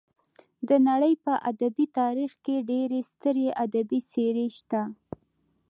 د نړۍ په ادبي تاریخ کې ډېرې سترې ادبي څېرې شته.